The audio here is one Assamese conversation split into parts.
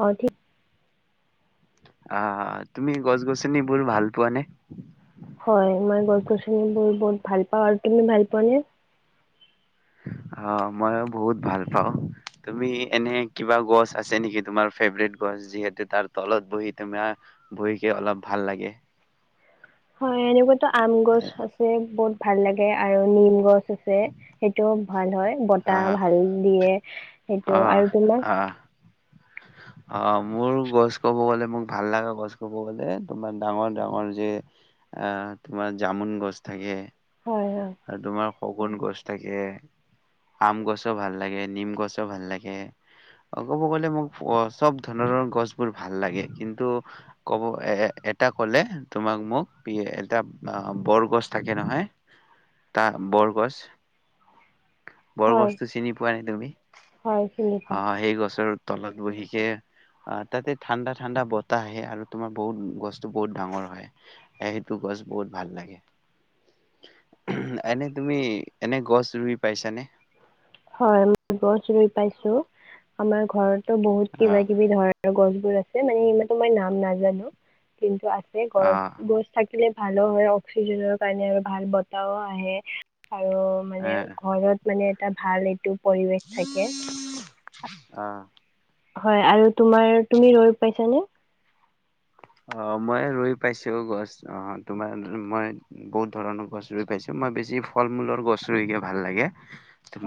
অ ' ঠিকে অ 'তুমি গছ গছনিবোৰ ভাল পোৱানে? হয় মই গল্প শুনি বৰ বহুত ভাল পাওঁ আৰু তুমি ভাল পোৱা নে? অ' ময়ো বহুত ভাল পাওঁ তুমি এনে কিবা গছ আছে নেকি? তোমাৰ ফেভৰেট গছ যিহেতু তাৰ তলত বহি তুমাৰ বহিকে অলপ ভাল লাগে। হয় এনেকুৱা। তো আম গছ আছে বহুত ভাল লাগে আৰু নিম গছ আছে সেইটো। ভাল হয় বতাহ আহ ভাল দিয়ে। সেইটো আৰু তোমাৰ অ মোৰ গছ কব গলে মোক ভাল লগা গছ কব গলে তোমাৰ ডাঙৰ ডাঙৰ যে আহ তোমাৰ জামুন গছ থাকে হয়, হয়, আৰু তোমাৰ ফগুন গছ থাকে আম গছো ভাল লাগে নিম গছো ভাল লাগে ক'ব গলে মোক চব ধৰৰ গছবোৰ ভাল লাগে কিন্তু কব এ এটা কলে তোমাক মোক এটা বৰ গছ থাকে নহয়। ত বৰগছ হয়, বৰগছতটো চিনি পোৱা নাই তুমি হয়, চিনি পাওঁ। অ সেই গছৰ তলত বহিকে আহ তাতে ঠাণ্ডা ঠাণ্ডা বতাহ আহে আৰু তোমাৰ বহুত গছটো বহুত ডাঙৰ হয় সেইটো গছ বহুত ভাল লাগে এনে তুমি এনে গছ ৰুই পাইছানে হয় মই গছ ৰুই পাইছো আমাৰ ঘৰত তো বহুত কিবা আহ কিবি ধৰণৰ গছবোৰ আছে মানে সমানো মই নাম নাজানো কিন্তু আ গছ আহ গছ থাকি ভাল হয় অক্সিজেনৰ কাৰণে আৰু ভাল বতাহও আহে আৰু মানে এ ঘৰত মানে ভালেই টো পৰিৱেশ থাকে আহ [unintelligible] হয় আৰু তমাৰ তোমি ৰুই পছানে অ মই ৰুই পাইছো গছ অ তোমাৰ মই বহুত ধৰণৰ গছ ৰুই পাইছো মই বেছি ফল মূলৰ গছ ৰুই গে ভাল লাগে।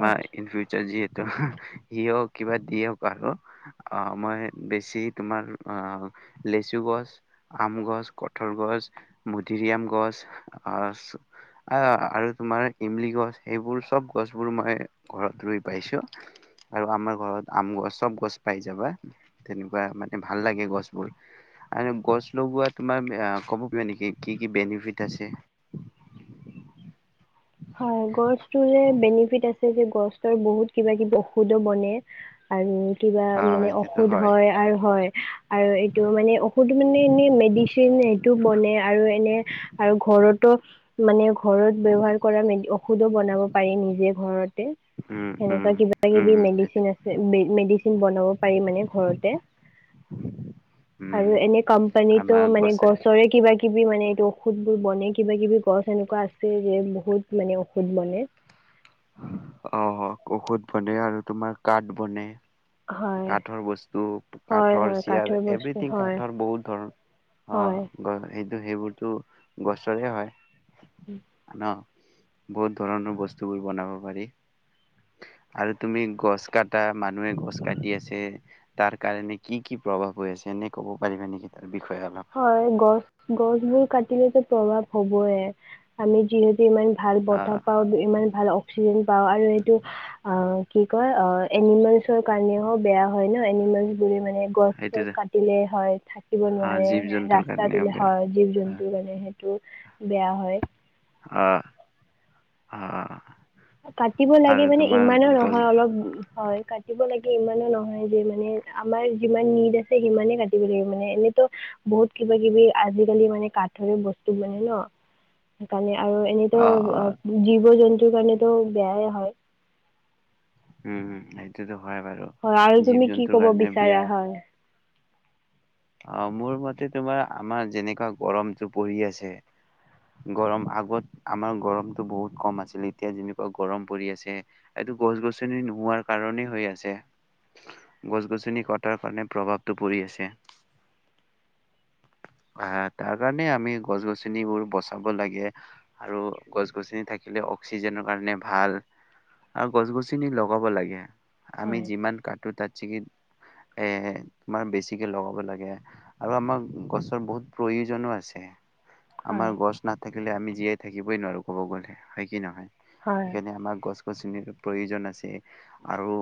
ম আচ্ছা। ইন ফউচাৰ য সি হ কিবা দিয়ক আৰু অ মই বেছি তোমাৰ অ লেচু গছ আম গছ কঠল গছ মধৰিআম গছ আহ আহ আৰু তোমাৰ ইমলি গছ সেইবোৰ চব গছবোৰ মই ঘৰত ৰুই পাইছো আৰু আমাৰ ঘৰত আম গছ চব গছ পাই যাবা তেনেকুৱা মানে ভাল লাগে গছবোৰ আৰু গছ লগোৱা তোমাৰ ক'ব পিয়া নেকি কি কি বেনিফিট আছে হয় গছটোৰে বেনিফিট আছে যে গছৰ বহুত কিবা কিবি ঔষধো বনে আৰু কিবা অ মানে এইটোতো ঔষুধ হয় আৰু হয় আৰু এইটো মানে ঔষুধ মানে এনে মেডিচিন সেইটো বনে আৰু এনে আৰু ঘৰতো মানে ঘৰত ব্য়ৱহাৰ কৰা নেকি ঔখদ বনাব পাৰিম নেকি ঘৰৰত উম উম উম তেনেকে সেইটো। মেডিচিন আছে উম আমাৰ গছে নেকি কিবি মানে এইটো ঔষধ বোৰ বনে কিবা কিবি গছ এনেকুৱা আছে যে বহুত মানে ঔষুধ মনে অ ঔষধ বনে আৰু তোমাৰ কাঠ বনে হয় কাঠৰ বস্তু হয় কাঠৰ হয় চেয়াৰ বস্তু এভ্ৰিথিং হয় কাঠৰ বহুত ধৰণৰ হয় অ কিন্তু সেইবোৰতো গছৰে হয় উম ন বহুত ধৰণৰ বস্তুবোৰ বনাব পাৰি আৰু তুমি গছ কটা মানুহে গছ কাটি আছে তাৰ কাৰণে কি কি প্ৰভাৱ হৈ আছে এনেই কব পাৰিবা নেকি তাক হয় গছ গছবোৰ কাটি ো প্ৰভাৱ হবয় আমি যিহেতু ইমান ভাল অ বতাহ পাওঁ ইমান ভাল অক্সিজেন পাওঁ আৰু এইটো কি কয় অ এনিমেলছৰ কাৰণে হ বেয়া হয় ন এনিমেলছ বুলি মানে গছ সেইটোতো চছ কাটিলে হয় থাকিব আহ নোৱাৰে জীৱ জন্তুৰ কাৰণে ৰাস্তাত ললে বেয়া হয় জীৱ জন্তু মানে বেয়া হয় অ অ অ কাটিব লাগে মানে ইমানো নহয় অলপ হয় কাটিব লাগে ইমানো নহয় যে মানে মানে আমাৰ যিমান নিদ আছে সিমানে কাটিব লাগিব মানে এনেতো বহুত কিবা কিবি আজিকালি মানে কাঠৰে বস্তু মানে ন। সেইকাৰণে আৰু এনেতো অ জীৱ-জন্তু সেইকাৰণে টো বেয়াই হয়। উম উম এইটোৱে ত হয় আৰু তুমি কি কব বিয়া বিচাৰা হয়? অ মোৰ মতে তোমাৰ আমাৰ যেনেকুৱা গৰমতটো পৰি আছে। গৰম আগত আমাৰ গৰমটো বহুত কম আছিল, এতিয়া যেনেকুৱা গৰম পৰি আছে এইটো গছ গছনি নোহোৱাৰ কাৰণেই হৈ আছে। গছ গছনি কটাৰ কাৰণে প্ৰভাৱটো পৰি আছে। হয় তাৰ কাৰণে আমি গছ গছনিবোৰ বচাব লাগে আৰু গছ গছনি থাকিলে অক্সিজেনৰ কাৰণে ভাল আৰু গছ গছনি লগাব লাগে। আমি হয় যিমান কাটো তাত চিকিত, এ তোমাৰ বেছিকে লগাব লাগ। আৰু আমাৰ গছৰ বহুত প্ৰয়োজনো আছে। আমাৰ হয় গছ নাট। থাকিলে আমি জীয়াই থাকিবই নোৱাৰোঁ ক'ব গ'লে হয় কি নহয়? হয় সেকানে আমাৰ গছ। গছনিৰ প্ৰয়োজন আছে আৰু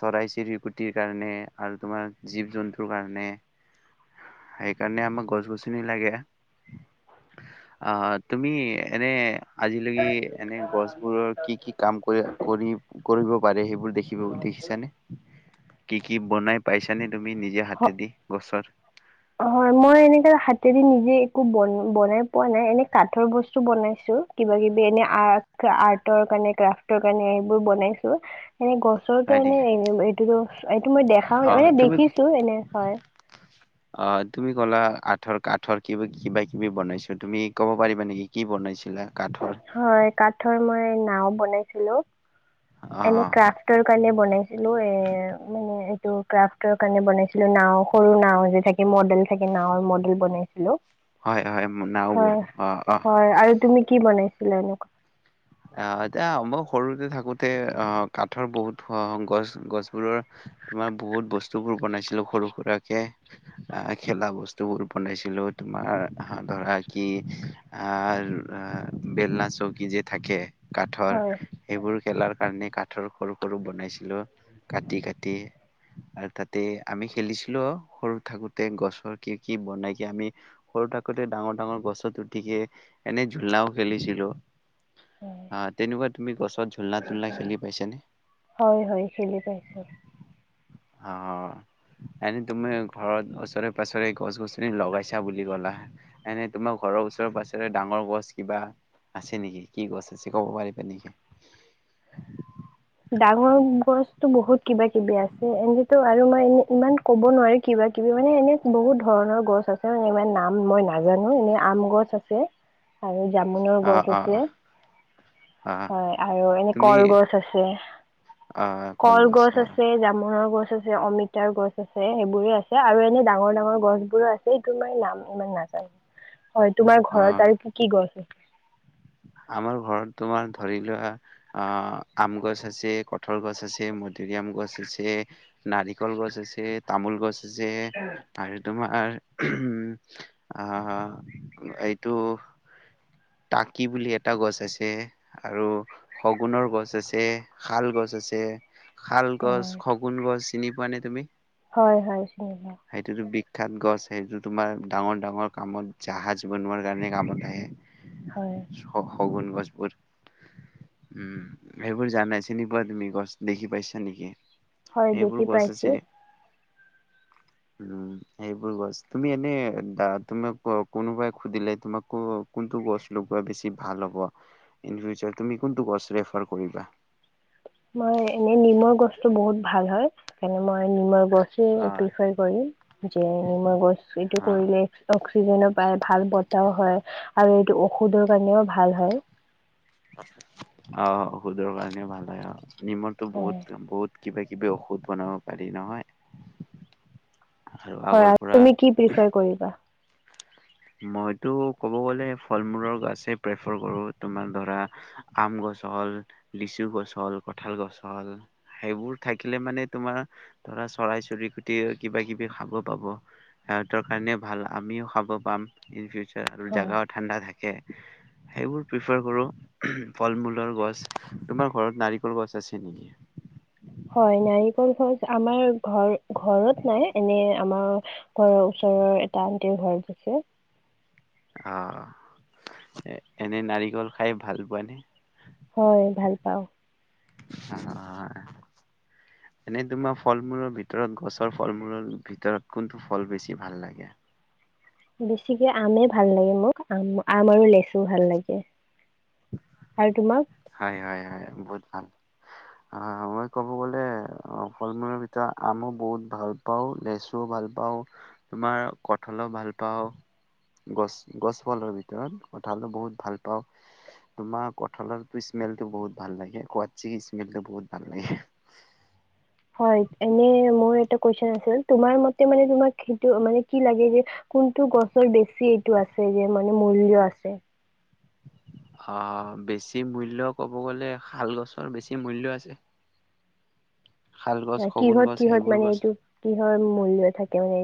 চৰাই চিৰিকুটিৰ কাৰণে আৰু তোমাৰ জীৱ জন্তু টো কাৰণে সেইকাৰণে আমাক গছ গছনি লাগে। আহ তুমি এনে আজিলৈকি এনে গছবোৰৰ কি কি কাম কৰি কৰি কৰিব পাৰে সেইবোৰ দেখিব দেখিছানে? কি কি বনাই পাইছানে তুমি নিজে হাত হ ইত্যাদি গছৰ হয় মই এনেকা হাতেদি নিজে একো বন বনাই পোৱা নাই, এনে কাঠৰ বস্তু বনাইছো কিবা কিবি এনে আৰ্ আৰ্টৰ কাৰণ ক্ৰাফটৰ কাৰণে সেইবোৰ বনাইছো। এনে গছৰো হয় নেকি এনেই এইটো এইটো মই দেখাও অ মানে তুমি দেখিছো এনে হয়। অ তুমি ক'লা আঠৰ কাঠৰ কিবি কিবা কিবি বনাইছো তুমি ক'ব পাৰিবা নেকি কি বনাইছিলা? কাঠৰ হয় কাঠৰ মই নাও বনাইছিলো অ এনে ক্ৰাফটৰ কাৰণে বনাইছিলো এ মানে। ক্ৰাফটৰ কাৰণে বনাইছিলো নাও সৰু নাও যে থাকে মডেল। সেকেনে নাও মডেল বনাইছিলো হয় হয় নাওবোৰ হয় অ অ হয় আৰু তুমি কি বনাই- [unintelligible] আহ এতিয়া মই সৰুতে থাকোতে অ কাঠৰ বহুত গছ গছবোৰৰ তোমাৰ বহুত বস্তুবোৰ বনাইছিলো। সৰু সুৰাকৰাকে আহ খেলা বস্তুবোৰ বনাইছিলো। তোমাৰ ধৰা কি আহ বেলনা চৌকী যে থাকে। কাঠৰ হয় সেইবোৰ খেলাৰ কাৰণে কাঠৰ সৰু সৰু বনাইছিলো কাটি কাটি আৰু তাতে আমি খেলিছিলো সৰু থাকোতে গছৰ কি কি বনাই কি আমি সৰু থাকোতে ডাঙৰ ডাঙৰ গছত উঠিকে এনে ঝোলনাও খেলিছিলো। হয় আহ্ তেনেকুৱা তুমি গছত ঝোলনা তুলনা খেলি পাইছ নে? হয় হয় খেলি পাইছো অ এনে তুমি ঘৰত ওচৰে পাছৰে গছ-গছনি লগাইছা বুলি ক'লা, এনে তোমাৰ ঘৰৰ ওচৰেৰে পাছৰে ডাঙৰ গছ কিবা আছে নেকি? কি গছ আছে কব পাৰিবা নেকি? ডাঙৰ গছতো বহুত কিবা কিবি আছে। এনেতো আৰু মই এনে ইমান কব নোৱাৰি, কিবা কিবি মানে এনে বহুত ধৰণৰ গছ আছে মানে ইমান নাম মই নাজানো এনে আম গছ আছে আৰু জামুনৰ গছ অ', অ', আছে অ', হয় আৰু এনে তুমি কলগছ আছ। অ', কলগছ অ', আছে জাম নাহৰ গছ আছে অমিতাৰ গছ আছে, সেইবোৰে আছে আৰু এনে ডাঙৰ ডাঙৰ গছ বোৰো আছে। এইটো মই নাম ইমান নাজানো। হয় তোমাৰ ঘৰত অ', আৰু কি কি গছ আছে? আমাৰ ঘৰত তোমাৰ ধৰি লোৱা অ আম গছ আছে কঁঠাল গছ আছে মধুৰিআম গছ আছে নাৰিকল গছ আছে তামোল গছ। যে আৰু তোমাৰ আহ এইটো তাক কি বুলি এটা গছ আছে আৰু শগুনৰ গছ আছে শাল গছ আছে। শাল গছ, হয় খগুন গছ চিনি পোৱা নে তুমি? হয় হয় ঠিকেই সেইটোতো বিখ্যাত গছ সেইটো তোমাৰ ডাঙৰ ডাঙৰ কামত জাহাজ বনোৱাৰ কাৰণে কামত আহে। হয় শগুন গছবোৰ। উম' সেইবোৰ জানাই চিনি পোৱা, তুমি গছ দেখি পাইছা নেকি? হয়, সেইবোৰ দেখি গছ পাইছো। আছে উম' সেইবোৰ গছ, তুমি এনেই তুমিক কোনোবাই সুধিলে, তোমাক কোনটো গছ লগোৱা বেছি ভাল হব। ইনফিউচাৰ তুমি কোণটো গছ প্ৰিফাৰ কৰিবা। মই এনে নিমৰ গছতো বহুত ভাল হয়। সেইকাৰণে মই নিমৰ গছ যে অ টিউচন কৰি যে মই গৈছোঁ এইটো অ কৰিলে। জো। পায় ভাল বতাহও হয় আৰু এইটো ঔষধৰ কাৰণেও ভাল হয় অহ ঔষধৰ কাৰণে ভাল পায় অ। নিমনটো বহুত বহুত কিবা কিবি ঔষধ বনাব পাৰি নহয় আৰু আগৰ হয় পৰা তুমি কি প্ৰিফাৰ কৰিবা মইতো কব গলে ফল মূলৰ গছে প্ৰেফাৰ কৰো। তোমাৰ ধৰা আম গছ হল, লিচু গছ হল, কঠাল গছ হল সেইবোৰ, থাকিলে মানে তোমাৰ ধৰা চৰাই-চৰিকুটি, কিবা-কিবি খাব পাব। সিহতৰ কাৰণে ভাল আমিও খাব পাম ইন ফিউচাৰ। আৰু হয় জাগাও ঠাণ্ডা থাকে সেইবোৰ প্ৰিফাৰ কৰো ফল মূলৰ গছ তোমাৰ ঘৰত নাৰিকল গছ আছে নেকি। হয় নাৰিকল গছ আমাৰ ঘৰ ঘৰত নাই এনে আমাৰ ঘৰৰ ওচৰৰ এটা আনটিৰ ঘৰত আছে অ এনে নাৰিকল খাই ভাল পোৱা নে হয় ভাল পাওঁ অ এনেই তোমাৰ ফল মূলৰ ভিতৰত গছৰ ফল মূলৰ ভিতৰত কোনটো ফল বেছি ভাল লাগে। বেছিকে আমে ভাল লাগে মোক আম আম আৰু লেচু ভাল লাগে আৰু তোমাক হয় হয় হয় বহুত ভাল হয় মই ক'ব গলে ফল মূলৰ ভিতৰত আমো বহুত ভাল পাওঁ লেচুও ভাল পাওঁ তোমাৰ কঠালো ভাল পাওঁ গছ গছ ফলৰ ভিতৰত কঠালো বহুত ভাল পাওঁ তোমাৰ কঠালৰ স্মেল তো বহুত ভাল লাগে কুৱচি কি স্মেলটো বহুত ভাল লাগে হয় এনে মোৰ এটা কোৱেচন আছে তোমাৰ মতে তোমাৰ সেইটো মানে কি লাগে কোনটো গছৰ বেছিটো আছে, মানে মূল্য যে আছে। অহ বেছি মূল্য ক'ব গলে শাল গছৰ বেছি মূল্য আছে শাল গছ, শগুন কিহত গছ কিহত সেইবোৰ মানে গছ এইটো কিহৰ মূল্য থাকে মানে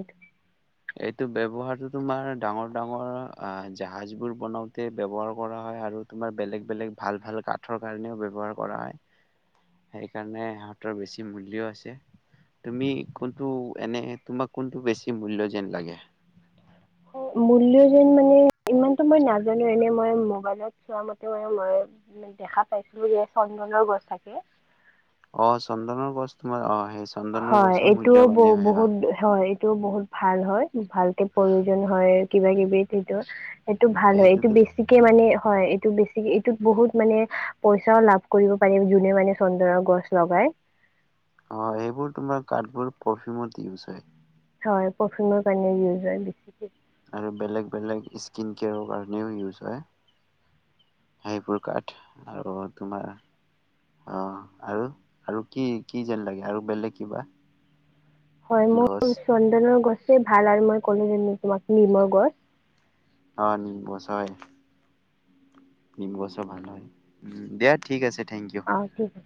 এইটো ব্যৱহাৰটো তোমাৰ ডাঙৰ ডাঙৰ আহ জাহাজ বোৰ বনাওতে ব্যৱহাৰ কৰা হয় আৰু তোমাৰ বেলেগ বেলেগ ভাল ভাল কাঠৰ কাৰণেও ব্যৱহাৰ কৰা হয়। সেই কাৰণে সিহঁতৰ বেছি মূল্যও আছে। তুমি কোনটো এনে তোমাক কোনটো বেছি মূল্য যেন লাগে মূল্য যেন মানে ইমানতো মই নাজানো এনে মই মোবাইলত চোৱা মতে মান মই দেখা পাইছিলোঁ যে চন্দনৰ গছ থাকে। অ চন্দনৰ গছ তোমাৰ অ সেই চন্দনৰ হয় গছৰ এইটোও ব মূল্যবানেই হয় অ'। বহুত হয় এইটো বহুত ভাল হয় ভালকে প্ৰয়োজন হয় কিবা কিবি সেইটো সেইটো ভাল হয় এইটো সেইটোতো বেছিকে মানে। হয় এইটো বেছিকে এইটোত বহুত মানে পইচাও লাভ কৰিব পাৰি যোনে মানে চন্দনৰৰ গছ লগাই। অ সেইবোৰ তোমাৰ কাঠবোৰ পাৰফিউমত ইউজ হয় হয় পৰফিমৰ কাৰণে ইউজ হয় বেছিকে আৰু বেলেগ বেলেগ স্কিন কেয়াৰৰ কাৰণেও ইউজ হয়। সেইবোৰ কাঠ আৰু তোমাৰ অ আৰু আৰু কি কি যেন লাগে আৰু বেলেগ কিবা? হয় গছ মোৰ চন্দনৰ গছ ভাল আৰু মই ক'লো যোনো তোমাক নিমৰ গছ অ নিম গছ হয় নিম গছও ভাল হয় উ দিয়া ঠিক আছে। Thank you. অ ঠিক আছে